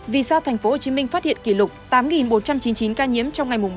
vì sao tp hcm phát hiện kỷ lục tám một trăm chín mươi chín ca nhiễm trong ngày ba mươi